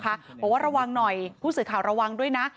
บอกว่าระวังหน่อยผู้สื่อข่าวระวังด้วยนะ